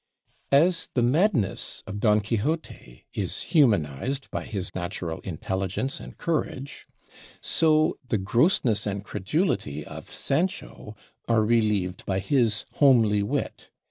As the madness of Don Quixote is humanized by his natural intelligence and courage, so the grossness and credulity of Sancho are relieved by his homely wit.